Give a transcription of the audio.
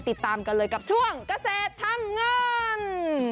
ติดตามกันเลยกับช่วงเกษตรทำเงิน